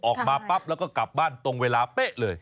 ออกมาปั๊บแล้วก็กลับบ้านตรงเวลาเป๊ะเลย